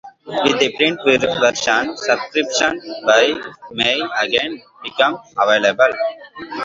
With the print version, subscription-by-mail again became available.